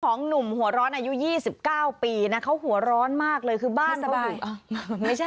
ของหนุ่มหัวร้อนอายุยี่สิบเก้าปีนะเขาหัวร้อนมากเลยคือบ้านเขาไม่สบาย